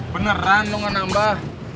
beneran lu gak nambah